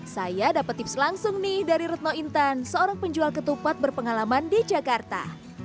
saya dapat tips langsung nih dari retno intan seorang penjual ketupat berpengalaman di jakarta